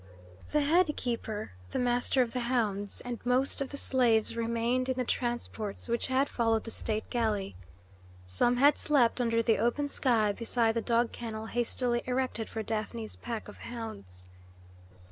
The head keeper, the master of the hounds, and most of the slaves remained in the transports which had followed the state galley. Some had slept under the open sky beside the dog kennel hastily erected for Daphne's pack of hounds.